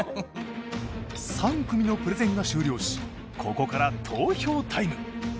３組のプレゼンが終了しここから投票タイム。